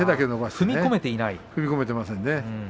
踏み込めていません。